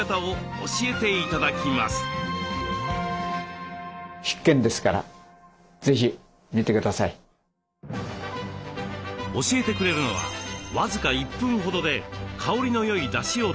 教えてくれるのは僅か１分ほどで香りのよいだしをとる方法。